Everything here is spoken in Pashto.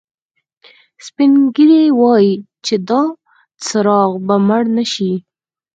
سپین ږیری وایي چې دا څراغ به مړ نه شي